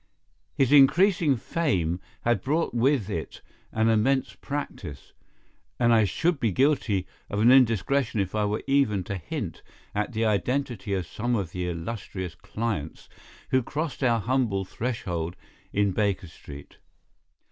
His increasing fame had brought with it an immense practice, and I should be guilty of an indiscretion if I were even to hint at the identity of some of the illustrious clients who crossed our humble threshold in Baker Street.